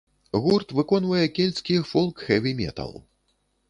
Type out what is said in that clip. Гурт выконвае кельцкі фолк-хэві-метал.